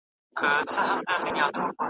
توتکۍ ورته په سرو سترګو ژړله .